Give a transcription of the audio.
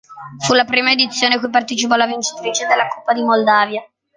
Fu la prima edizione cui partecipò la vincitrice della Coppa di Moldavia.